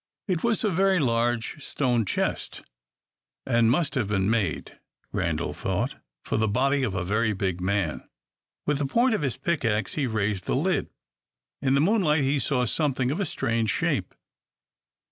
It was a very large stone chest, and must have been made, Randal thought, for the body of a very big man. With the point of his pickaxe he raised the lid. In the moonlight he saw something of a strange shape.